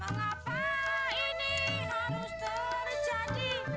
mengapa ini harus terjadi